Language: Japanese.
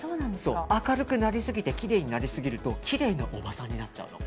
明るくなりすぎてきれいになりすぎるときれいなおばさんになっちゃうの。